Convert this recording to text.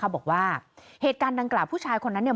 บอกว่าเหตุการณ์ดังกล่าวผู้ชายคนนั้นเนี่ย